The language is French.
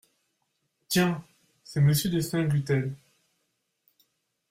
Tiens ! c’est Monsieur de Saint-Gluten !…